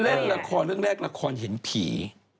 เล่นละครเรื่องแรกละครเห็นผี